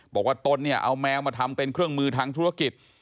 ตนเนี่ยเอาแมวมาทำเป็นเครื่องมือทางธุรกิจ